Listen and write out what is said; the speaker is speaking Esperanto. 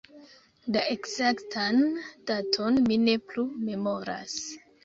La ekzaktan daton mi ne plu memoras.